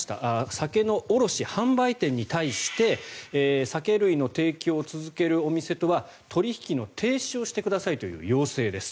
酒の卸、販売店に対して酒類の提供を続けるお店とは取引の停止をしてくださいという要請です。